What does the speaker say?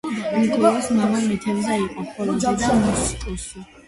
ნიკოლას მამა მეთევზე იყო, ხოლო დედა მუსიკოსი.